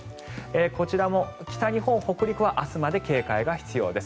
こちらも北日本、北陸は明日まで警戒が必要です。